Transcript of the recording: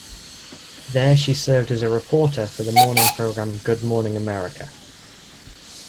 There she served as a reporter for the morning program "Good Morning America".